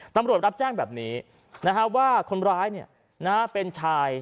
ตำรวจรับแจ้งแบบนี้ว่าคนร้ายเป็นชาย